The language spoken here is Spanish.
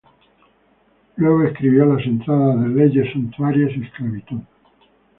Luego escribió las entradas de leyes suntuarias y esclavitud.